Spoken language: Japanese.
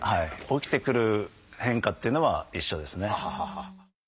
起きてくる変化っていうのは一緒ですね。